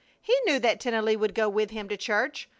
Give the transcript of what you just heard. He knew that Tennelly would go with him to church.